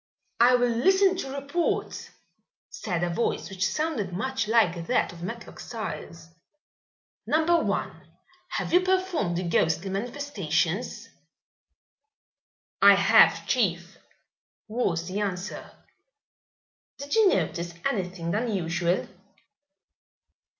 "I will listen to reports," said a voice which sounded much like that of Matlock Styles. "Number One, have you performed the ghostly manifestations?" "I have, chief," was the answer. "Did you notice anything unusual?"